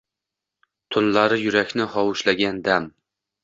Tunlari yurakni hovuchlagan dam